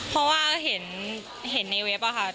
เพราะว่าเห็นในเว็บอะค่ะ